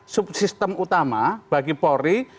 sub sistem utama bagi polri